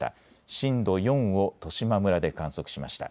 震度４を十島村で観測しました。